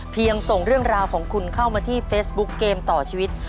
ส่งเรื่องราวของคุณเข้ามาที่เฟซบุ๊กเกมต่อชีวิต